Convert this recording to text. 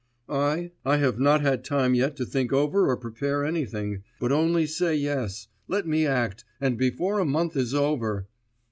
'I? I have not had time yet to think over or prepare anything, but only say yes, let me act, and before a month is over....